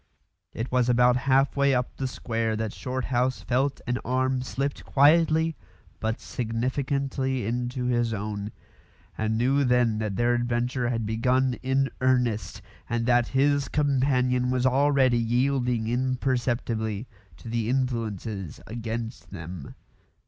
It was about half way up the square that Shorthouse felt an arm slipped quietly but significantly into his own, and knew then that their adventure had begun in earnest, and that his companion was already yielding imperceptibly to the influences against them.